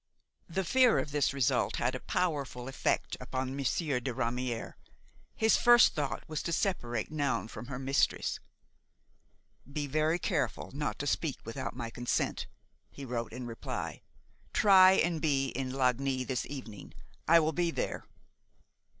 The fear of this result had a powerful effect upon Monsieur de Ramière. His first thought was to separate Noun from her mistress. "Be very careful not to speak without my consent," he wrote in reply. "Try and be in Lagny this evening. I will be there."